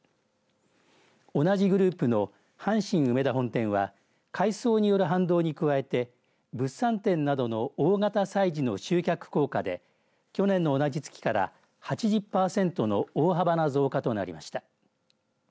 同じグループの阪神梅田本店は改装による反動に加えて物産展などの大型催事の集客効果で去年の同じ月から８０パーセントの大幅な増加となりました。